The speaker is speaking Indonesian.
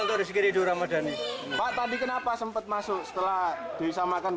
terima kasih om